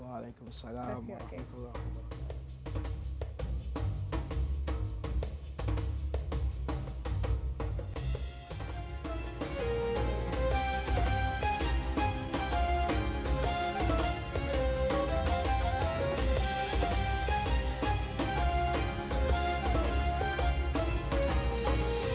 waalaikumsalam warahmatullahi wabarakatuh